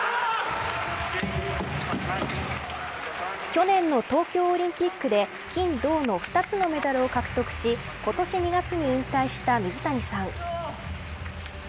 去年の東京オリンピックで金、銅の２つのメダルを獲得し今年２月に引退した水谷さん。